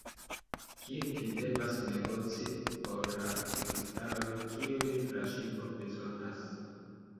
Kirk devas negoci por la kristaloj, kiujn la ŝipo bezonas.